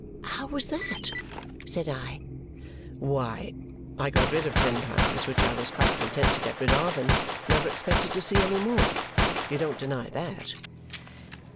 "How was that?" said I. "Why, I got rid of ten pounds which I was quite content to get rid of and never expected to see any more. You don't deny that?"